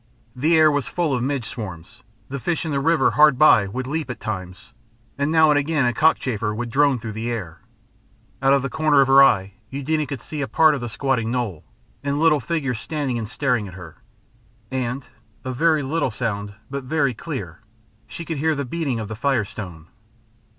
The air was full of midge swarms, the fish in the river hard by would leap at times, and now and again a cockchafer would drone through the air. Out of the corner of her eye Eudena could see a part of the squatting knoll, and little figures standing and staring at her. And a very little sound but very clear she could hear the beating of the firestone.